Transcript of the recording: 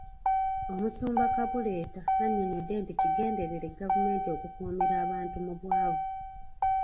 Omusumba Kabuleta annyonnyodde nti kigenderere gavumenti okukuumira abantu mu bwavu.